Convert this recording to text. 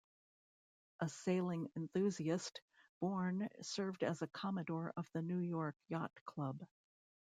A sailing enthusiast, Bourne served as a Commodore of the New York Yacht Club.